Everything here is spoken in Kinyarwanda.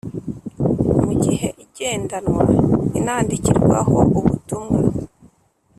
mu gihe igendanwa inandikirwaho ubutmwa